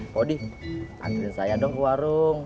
bodi anterin saya dong ke warung